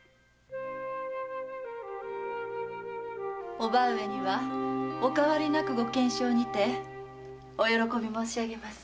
おば上にはお変わりなくご健勝にてお喜び申しあげます。